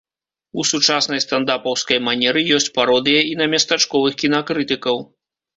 У сучаснай стандапаўскай манеры ёсць пародыя і на местачковых кінакрытыкаў.